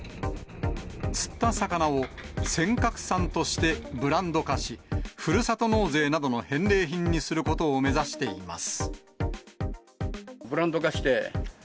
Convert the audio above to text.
釣った魚を尖閣産としてブランド化し、ふるさと納税などの返礼品にすることを目指しています。